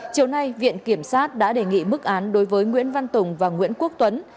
chiều nay viện kiểm sát đã đề nghị mức án đối với nguyễn văn tùng và nguyễn quốc tuấn